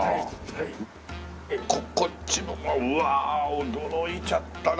こっちもうわ驚いちゃったな。